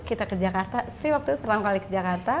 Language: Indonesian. kita ke jakarta sri waktu pertama kali ke jakarta